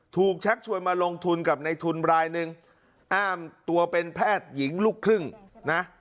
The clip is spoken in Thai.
ชักชวนมาลงทุนกับในทุนรายหนึ่งอ้างตัวเป็นแพทย์หญิงลูกครึ่งนะ